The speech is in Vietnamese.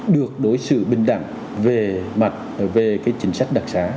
được đối xử bình đẳng về mặt về cái chính sách đặc sá